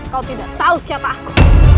kau tidak tahu siapa aku